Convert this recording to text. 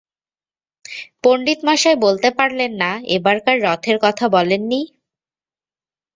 পণ্ডিতমশায় বলতে পারলেন না এবারকার রথের কথা বলেননি?